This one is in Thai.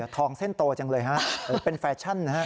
ทองเส้นโตจังเลยเป็นแฟชั่นนะ